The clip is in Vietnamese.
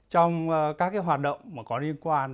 trong các cái hoạt động mà có liên quan